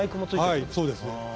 はいそうですね。